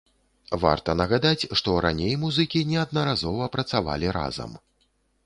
Варта нагадаць, што раней музыкі неаднаразова працавалі разам.